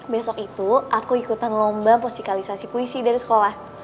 besok itu aku ikutan lomba musikalisasi puisi dari sekolah